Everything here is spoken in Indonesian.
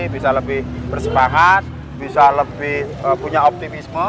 bisa lebih bersepakat bisa lebih punya optimisme